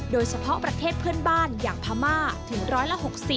โดยเฉพาะประเทศเพื่อนบ้านอย่างพม่าถึงร้อยละ๖๐